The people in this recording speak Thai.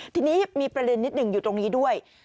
ทีนี้มีประเด็นนิดหนึ่งอยู่ตรงนี้ด้วย